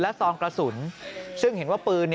ซองกระสุนซึ่งเห็นว่าปืน